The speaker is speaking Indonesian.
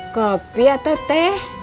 kopi atau teh